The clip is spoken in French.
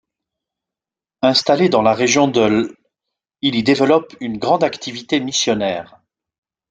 Installé dans la région de l', il y développe une grande activité missionnaire.